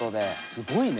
すごいね。